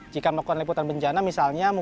jika melakukan liputan bencana misalnya